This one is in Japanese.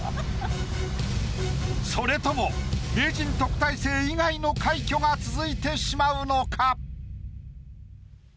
それとも名人特待生以外の快挙が続いてしまうのか？